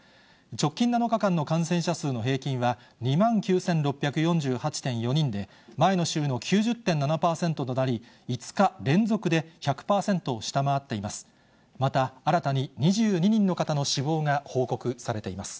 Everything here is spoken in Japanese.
直近７日間の感染者数の平均は２万９６４８．４人で、前の週の９０．７％となり、新たに２２人の方の死亡が報告されています。